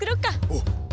おう。